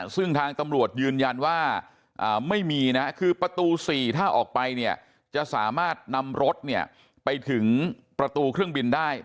ซึ่งทางตำรวจยืนยันว่าไม่มีนะคือประตู๔ถ้าออกไปเนี่ยจะสามารถนำรถเนี่ยไปถึงประตูเครื่องบินได้